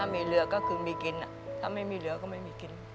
มีเหลือก็คือมีกินถ้าไม่มีเหลือก็ไม่มีกิน